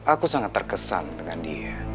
aku sangat terkesan dengan dia